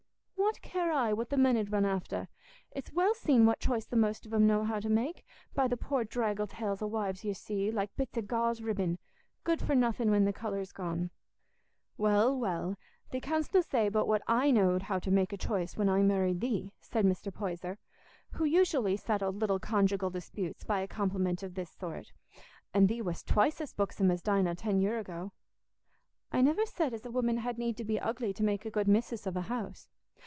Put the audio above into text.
"What care I what the men 'ud run after? It's well seen what choice the most of 'em know how to make, by the poor draggle tails o' wives you see, like bits o' gauze ribbin, good for nothing when the colour's gone." "Well, well, thee canstna say but what I knowed how to make a choice when I married thee," said Mr. Poyser, who usually settled little conjugal disputes by a compliment of this sort; "and thee wast twice as buxom as Dinah ten year ago." "I niver said as a woman had need to be ugly to make a good missis of a house.